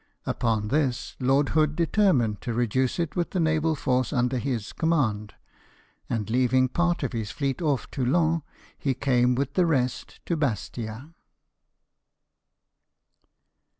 Upon this Lord Hood determined to reduce it with the naval force under his command ; and leaving part of his fleet off Toulon, he came with the rest to Bastia.